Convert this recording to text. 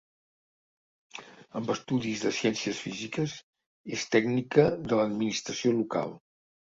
Amb estudis de ciències físiques, és tècnica de l'Administració Local.